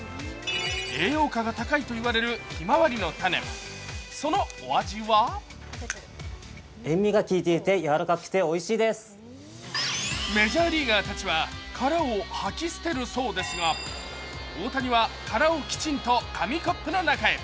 栄養価が高いといわれるひまわりの種、そのお味はメジャーリーガーたちは殻を吐き捨てるそうですが大谷は殻をきちんと紙コップのかなへ。